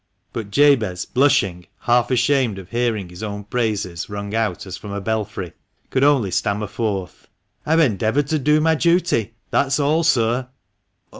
But Jabez, blushing, half ashamed of hearing his own praises rung out as from a belfry, could only stammer forth —" I've endeavoured to do my duty, that is all, sir."